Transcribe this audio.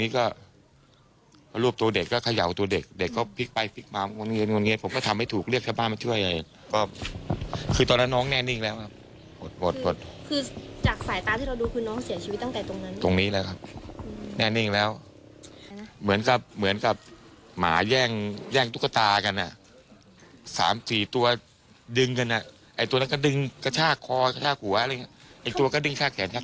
ก็พยายามเรียกน้องน้องต้วงต้วง